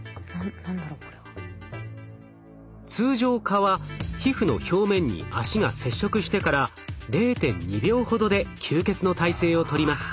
通常蚊は皮膚の表面に脚が接触してから０．２秒ほどで吸血の体勢をとります。